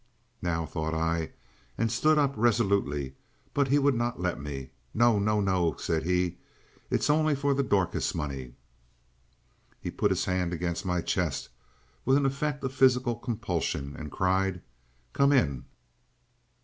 "Now," thought I, and stood up, resolutely, but he would not let me. "No, no, no!" said he. "It's only for the Dorcas money." He put his hand against my chest with an effect of physical compulsion, and cried, "Come in!"